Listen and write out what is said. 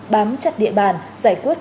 bám chặt địa bàn giải quyết